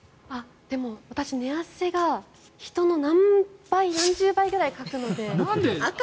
でも、私、寝汗が人の何倍、何十倍ぐらいかくので。